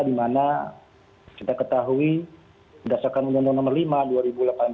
di mana kita ketahui dasarkan undang undang nomor lima dua ribu delapan belas